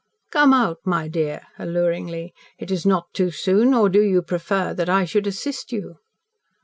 "Come out, my dear!" alluringly. "It is not too soon. Or do you prefer that I should assist you?"